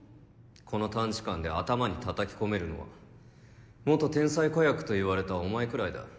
この短時間で頭に叩きこめるのは元天才子役と言われたお前くらいだ。